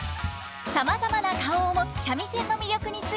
さまざまな顔を持つ三味線の魅力について語ります。